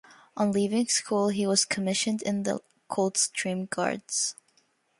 On leaving school he was commissioned in the Coldstream Guards.